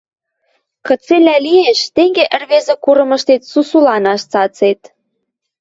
Кыцелӓ лиэш, тенге ӹӹрвезӹ курымыштет сусуланаш цацет...